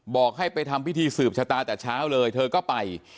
บอกให้ไปทำพิธีสืบชะตาแต่เช้าเลยเธอก็ไป